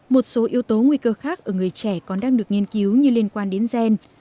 một số yếu tố nguy cơ khác ở người trẻ còn đang được nghiên cứu như liên quan đến gen